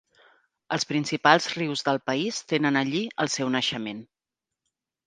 Els principals rius del país tenen allí el seu naixement.